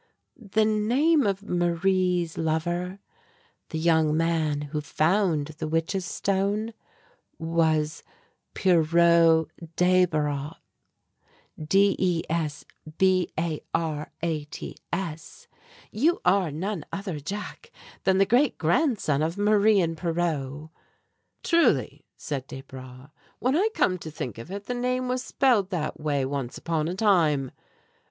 "The name of Marie's lover, the young man who found the 'Witch's Stone,' was Pierrot Desbarats! D e s b a r a t s. You are none other, Jack, than the great grandson of Marie and Pierrot." "Truly," said Desbra, "when I come to think of it, the name was spelled that way once upon a time!"